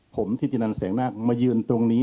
ผมทิตินันแสงนาคมายืนตรงนี้